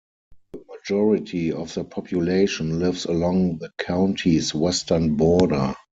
The majority of the population lives along the county's western border.